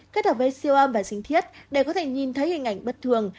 kết hợp với siêu âm và sinh thiết để có thể nhìn thấy hình ảnh bất thường